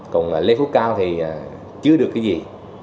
còn lê phú cao thì chưa được cái gì